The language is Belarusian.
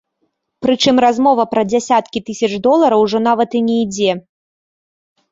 Прычым размова пра дзясяткі тысяч долараў ужо нават і не ідзе.